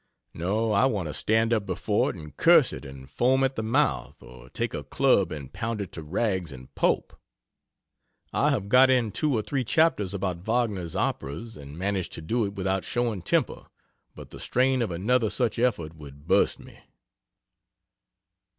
No, I want to stand up before it and curse it and foam at the mouth, or take a club and pound it to rags and pulp. I have got in two or three chapters about Wagner's operas, and managed to do it without showing temper, but the strain of another such effort would burst me!"